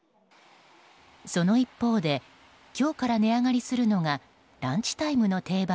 その一方で今日から値上がりするのはランチタイムの定番